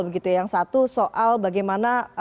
begitu yang satu soal bagaimana